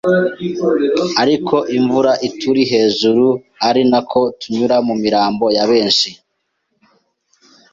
ariko imvura ituri hejuru ari nako tunyura ku mirambo ya benshi